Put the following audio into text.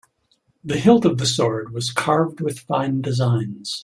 The hilt of the sword was carved with fine designs.